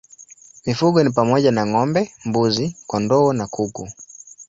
Mifugo ni pamoja na ng'ombe, mbuzi, kondoo na kuku.